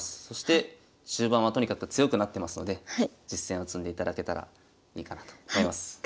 そして終盤はとにかく強くなってますので実戦を積んでいただけたらいいかなと思います。